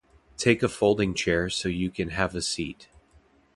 Take a folding chair so you can have a seat.